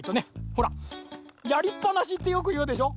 ほらやりっぱなしってよくいうでしょ。